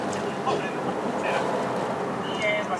Esta pintoresca y añeja ciudad se encuentra a orillas del río Paraná.